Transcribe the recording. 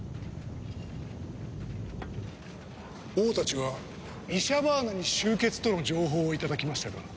王たちはイシャバーナに集結との情報をいただきましたが。